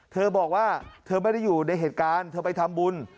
เธอบอกว่าเธอไม่ได้อยู่ในเหตุการณ์เธอไปทำบุญ